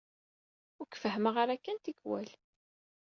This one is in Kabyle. Ur k-fehhmeɣ ara kan tikwal.